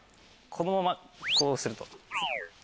このままこうする。